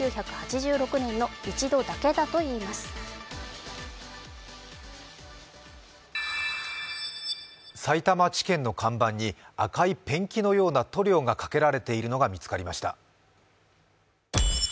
さいたま地検の看板に赤いペンキのような塗料がかけられているのが見つかりました。